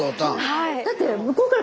はい。